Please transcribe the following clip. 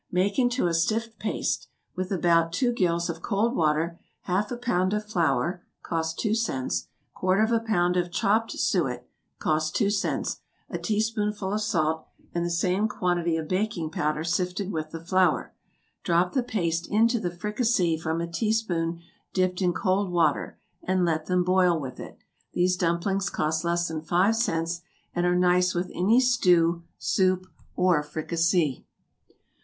= Make into a stiff paste, with about two gills of cold water, half a pound of flour, (cost two cents,) quarter of a pound of chopped suet, (cost two cents,) a teaspoonful of salt, and the same quantity of baking powder sifted with the flour; drop the paste into the fricassee from a teaspoon dipped in cold water, and let them boil with it; these dumplings cost less than five cents, and are nice with any stew, soup, or fricassee.